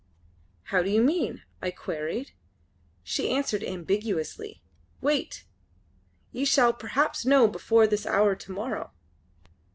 "How do you mean?" I queried. She answered ambiguously: "Wait! Ye shall perhaps know before this hour to morrow!"